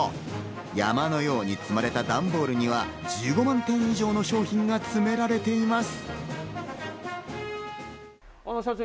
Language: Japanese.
山のように積まれた段ボールには１５万点以上の商品が詰められています。